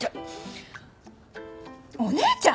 お姉ちゃん！？